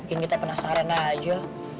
mungkin kita penasaran aja